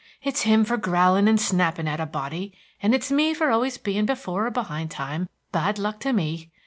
It's him for growling and snapping at a body, and it's me for always being before or behind time, bad luck to me.